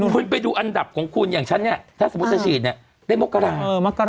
คุณไปดูอันดับของคุณอย่างฉันเนี่ยถ้าสมมุติจะฉีดเนี่ยได้มกรา